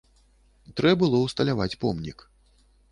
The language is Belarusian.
Трэ было ўсталяваць помнік.